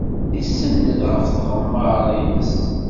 Isenned ɣef tɣemmar-nnes.